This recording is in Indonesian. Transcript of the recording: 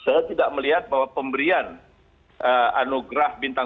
saya tidak melihat bahwa pemberian anugerah bintang